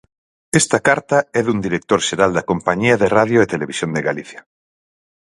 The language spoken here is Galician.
Esta carta é dun dirección xeral da Compañía de Radio e Televisión de Galicia.